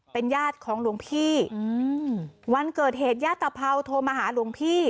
เป็นญาติของหลวงพี่อืมวันเกิดเหตุญาติตะเภาโทรมาหาหลวงพี่